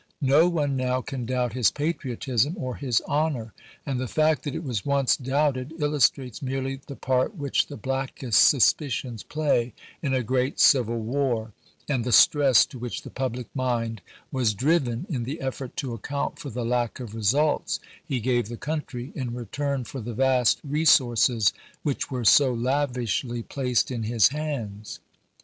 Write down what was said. No one now can doubt his patriotism or his honor, and the fact that it was once doubted illustrates merely the part which the blackest sus picions play in a great civil war, and the stress to which the public mind was driven in the effort to account for the lack of results he gave the country in return for the vast resources which were so lav ishly placed in his hands.